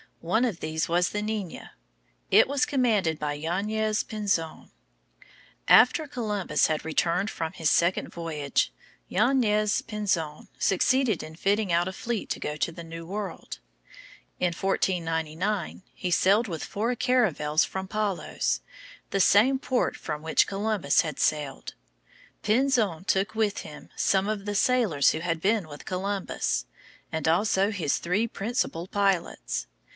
One of these was the Nina. It was commanded by Yanez Pinzon. [Illustration: The Nina.] After Columbus had returned from his second voyage, Yanez Pinzon succeeded in fitting out a fleet to go to the New World. In 1499 he sailed with four caravels from Palos, the same port from which Columbus had sailed. Pinzon took with him some of the sailors who had been with Columbus, and also his three principal pilots.